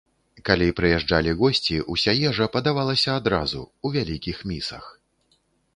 Калі прыязджалі госці, уся ежа падавалася адразу, у вялікіх місах.